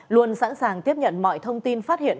luôn sẵn sàng tiếp nhận mọi thông tin phát hiện